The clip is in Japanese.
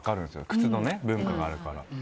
靴の部分があるから。